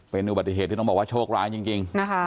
เป็นอุบัติเหตุที่ต้องบอกว่าโชคร้ายจริงนะคะ